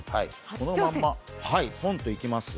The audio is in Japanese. このままポンといきます。